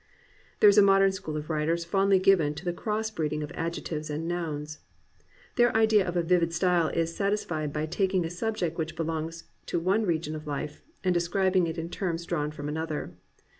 There is a modem school of writers fondly given to the cross breeding of adjectives and nouns. Their idea of a vivid style is satisfied by taking a subject which belongs to one region of life and describing it in terms drawn from another.